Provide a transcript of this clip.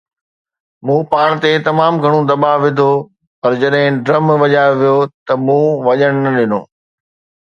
مون پاڻ تي تمام گهڻو دٻاءُ وڌو، پر جڏهن ڊرم وڄايو ويو ته مون وڃڻ نه ڏنو